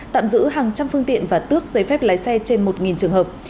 tạm giữ hàng trăm phương tiện và tước giấy phép lái xe trên một trường hợp